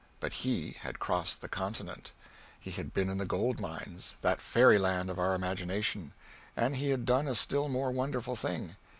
But he had crossed the Continent. He had been in the gold mines, that fairyland of our imagination. And he had done a still more wonderful thing.